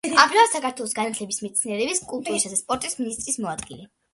ამჟამად საქართველოს განათლების, მეცნიერების, კულტურისა და სპორტის მინისტრის მოადგილე.